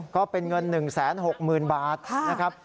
ก็เป็นเงิน๑๖๐๐๐บาทนะครับ